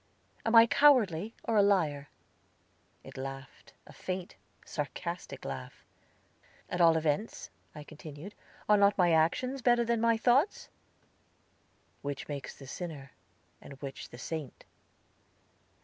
"Am I cowardly, or a liar?" It laughed, a faint, sarcastic laugh. "At all events," I continued, "are not my actions better than my thoughts?" "Which makes the sinner, and which the saint?"